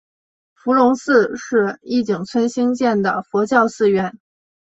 伏龙寺是义井村兴建的佛教寺院。